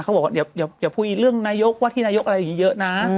เขาบอกว่าเดี๋ยวคุยเรื่องนายกว่าที่นายกอะไรอย่างนี้เยอะนะ